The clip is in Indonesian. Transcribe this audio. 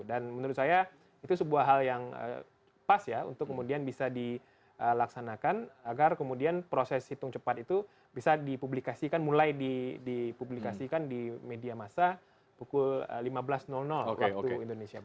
dan menurut saya itu sebuah hal yang pas ya untuk kemudian bisa dilaksanakan agar kemudian proses hitung cepat itu bisa dipublikasikan mulai dipublikasikan di media massa pukul lima belas waktu indonesia barat